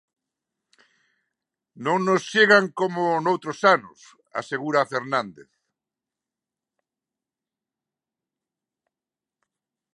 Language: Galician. "Non nos chegan como noutros anos", asegura Fernández.